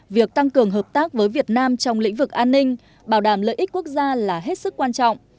việc tăng cường hợp tác với việt nam trong lĩnh vực an ninh bảo đảm lợi ích quốc gia là hết sức quan trọng